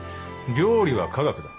料理は科学だ。